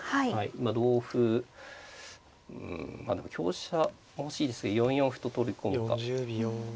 まあ同歩うんまあでも香車も欲しいですけど４四歩と取り込むか。